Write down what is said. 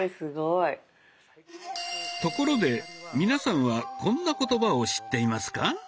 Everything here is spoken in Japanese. ところで皆さんはこんな言葉を知っていますか？